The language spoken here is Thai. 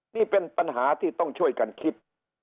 นี่เป็นปัญหาที่ต้องช่วยกันคิด